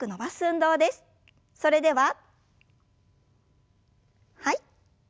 それでははい。